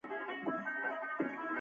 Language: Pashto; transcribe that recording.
هغه همدا غیر عقلاني سیاستونه دي.